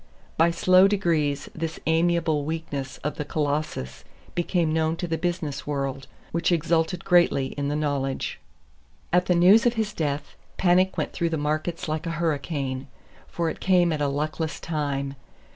By slow degrees this amiable weakness of the Colossus became known to the business world, which exulted greatly in the knowledge. At the news of his death, panic went through the markets like a hurricane; for it came at a luckless time.